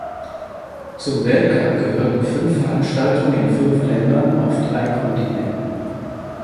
Zum Weltcup gehörten fünf Veranstaltungen in fünf Ländern auf drei Kontinenten.